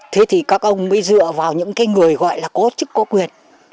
thế thì các ông mới dựa vào những cái người gọi là có chức có quyền